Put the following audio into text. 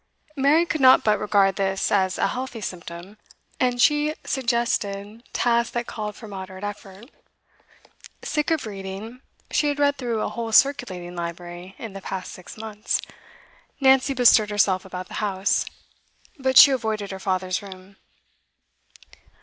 Mary could not but regard this as a healthy symptom, and she suggested tasks that called for moderate effort. Sick of reading she had read through a whole circulating library in the past six months Nancy bestirred herself about the house; but she avoided her father's room.